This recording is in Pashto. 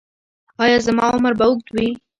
ایا زما عمر به اوږد وي؟